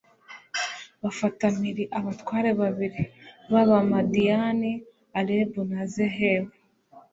bafata mpiri abatware babiri b'abamadiyani, orebu na zehebu